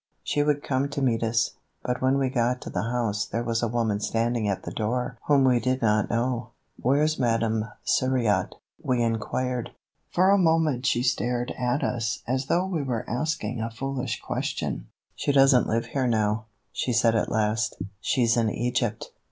She would come to meet us. But when we got to the house there was a woman standing at the door whom we did not know. "Where's Madame Suriot?" we inquired. For a moment she stared at us as though we were asking a foolish question. "She doesn't live here now," she said at last; "she's in Egypt."